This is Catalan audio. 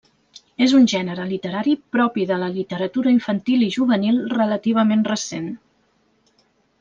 És un gènere literari propi de la literatura infantil i juvenil relativament recent.